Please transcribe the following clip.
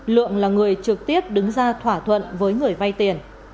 lượng là người trực tiếp đứng ra thỏa thuận với người vay tiền